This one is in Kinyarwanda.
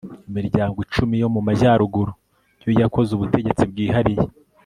imiryango icumi yo mu majyaruguru yo yakoze ubutegetsi bwihariye